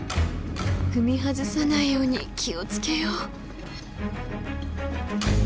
踏み外さないように気を付けよう。